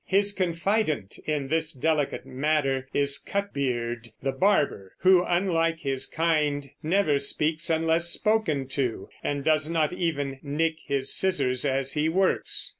His confidant in this delicate matter is Cutbeard the barber, who, unlike his kind, never speaks unless spoken to, and does not even knick his scissors as he works.